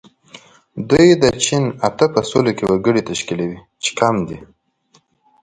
دوی د چین اته په سلو کې وګړي تشکیلوي چې کم دي.